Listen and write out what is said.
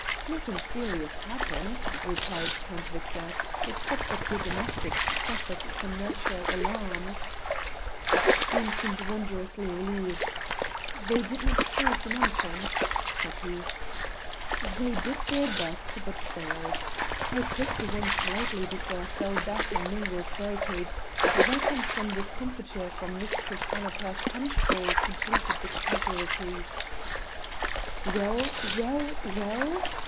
"Nothing serious happened," replied Count Victor, "except that your domestics suffered some natural alarms." Doom seemed wonderously relieved. "The did not force an entrance?" said he. "They did their best, but failed. I pricked one slightly before I fell back on Mungo's barricades; that and some discomfiture from Mistress Annapla's punch bowl completed the casualties." "Well? well? well?"